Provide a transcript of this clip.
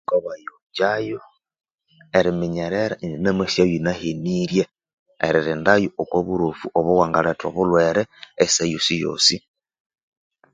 Thukabahikyayo Eriminyerera indi namasigha iyinehenirye eririndayo okwi burofu obwa ngaletha obulhwere esaha yosi yosi